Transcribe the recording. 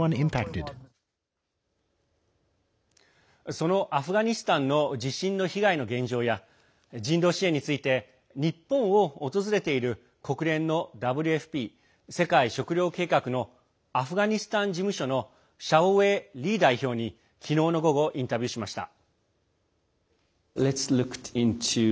そのアフガニスタンの地震の被害の現状や人道支援について日本を訪れている国連のＷＦＰ＝世界食糧計画のアフガニスタン事務所のシャオウェイ・リー代表に昨日の午後インタビューしました。